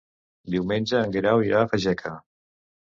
Diumenge en Guerau irà a Fageca.